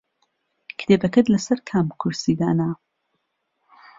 کتێبەکەت لەسەر کام کورسی دانا؟